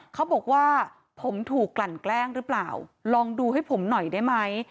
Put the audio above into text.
เขาบอกว่าผมถูกกลั่นแกล้งหรือเปล่าลองดูให้ผมหน่อยได้ไหม